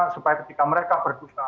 supaya ketika mereka berusaha